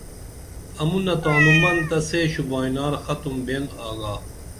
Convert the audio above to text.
امونہ تانومن تہ سے شوبائنار ختُم بین آگا